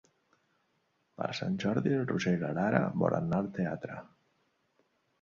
Per Sant Jordi en Roger i na Lara volen anar al teatre.